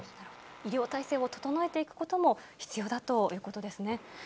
医療体制を整えていくことも必要だということですね。